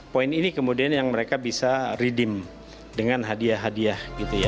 poin ini kemudian yang mereka bisa rediem dengan hadiah hadiah